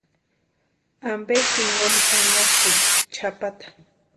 ¿Ampe jinkoni anhasïnki chʼapata?